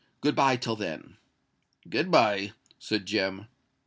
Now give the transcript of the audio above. Good bye till then." "Good bye," said Jem.